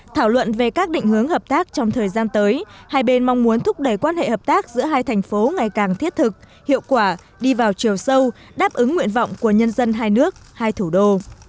thảo luận về các định hướng hợp tác trong thời gian tới hai bên mong muốn thúc đẩy quan hệ hợp tác giữa hai thành phố ngày càng thiết thực hiệu quả đi vào chiều sâu đáp ứng nguyện vọng của nhân dân hai nước hai thủ đô